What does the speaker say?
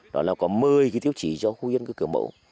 đó là có một mươi cái tiêu chí cho khu dân cư kiểu mẫu